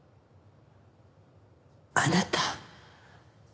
あなた。